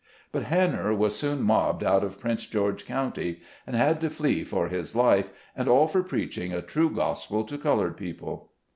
But Hanner was soon mobbed out of Prince George County, and had to flee for his life, and all for preaching a true Gospel to colored people.